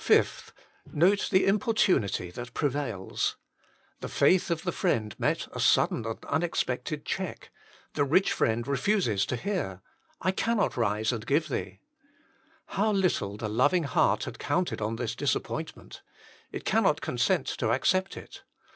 5. Note the importunity that prevails. The faith of the friend met a sudden and unexpected check : the rich friend refuses to hear " I cannot A MODEL OF INTERCESSION 39 rise and give thee." How little the loving heart had counted on this disappointment; it cannot consent to accept it.